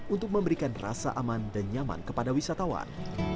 untuk memberikan rasa aman dan nyaman kepada wisatawan